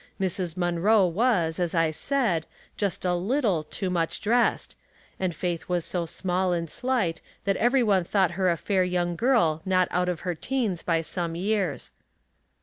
Mrs. Munroe was, as 1 said, just a little too much dressed, and Faith was so small and slight that every one thought her a fair young girl not out of her teens by some years.